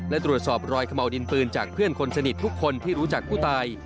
และตรวจสอบรอยขม่าวดินปืนจากเพื่อนคนสนิททุกคนที่รู้จักผู้ตาย